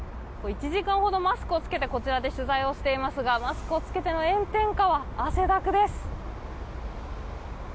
１時間ほどマスクをしてこちらで取材をしていますがマスクを着けての炎天下は汗だくです。